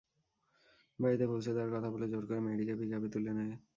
বাড়িতে পৌঁছে দেওয়ার কথা বলে জোর করে মেয়েটিকে পিকআপে তুলে নেয়।